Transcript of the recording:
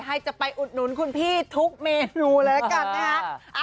ให้จะไปอุดหนุนคุณพี่ทุกเมนูแล้วกันนะครับ